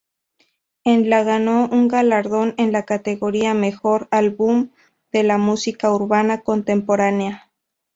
En la ganó un galardón en la categoría Mejor Álbum de Música Urbana Contemporánea.